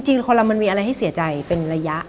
จริงคนละมันมีอะไรให้เสียใจเป็นระยะ